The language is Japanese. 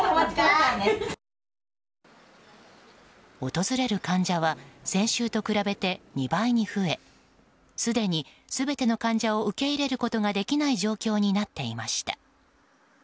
訪れる患者は先週と比べて２倍に増えすでに全ての患者を受け入れることができない状況になっていました。